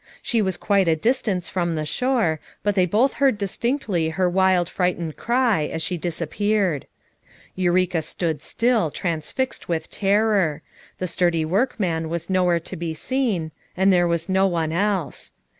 She was quite a distance from the shore, but they both heard distinctly her wild frightened cry, as she disappeared. Eureka stood still, transfixed with terror; the sturdy workman was nowhere to be seen, and there +s£ % y 4 1 o m * 204 FOUK MOTHERS AT CHAUTAUQUA was no one else.